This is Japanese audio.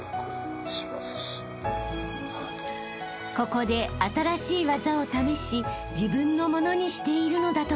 ［ここで新しい技を試し自分のものにしているのだとか］